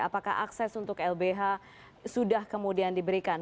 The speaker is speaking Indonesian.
apakah akses untuk lbh sudah kemudian diberikan